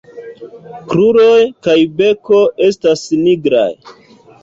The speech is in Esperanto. Kruroj kaj beko estas nigraj.